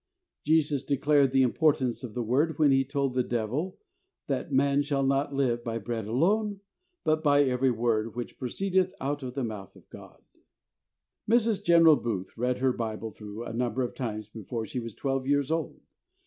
Jesus declared the importance of the Word when He told the devil that "Man shall not live by bread alone, but by every STUDIES OF THE SOUL WINNER. 61 word which proceedeth out of the mouth of God," Mrs. General Booth read her Bible through a number of times before she was twelve years old.